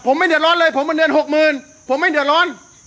ผมไม่เดือดร้อนเลยผมเป็นเดือนหกหมื่นผมไม่เดือดร้อน